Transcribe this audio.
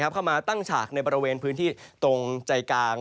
เข้ามาตั้งฉากในบริเวณพื้นที่ตรงใจกลาง